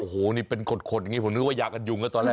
โอ้โหนี่เป็นขดอย่างนี้ผมนึกว่ายากันยุงแล้วตอนแรก